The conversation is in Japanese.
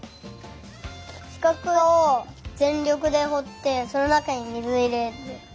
しかくをぜんりょくでほってそのなかに水をいれる。